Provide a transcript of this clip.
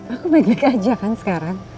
aku banyak aja kan sekarang